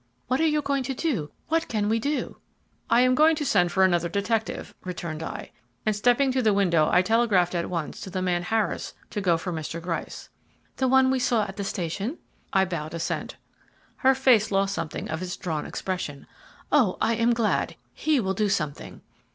"What are you going to do? What can we do? "I am going to send for another detective," returned I; and stepping to the window I telegraphed at once to the man Harris to go for Mr. Gryce. "The one we saw at the Station?" I bowed assent. Her face lost something of its drawn expression. "O I am glad; he will do something."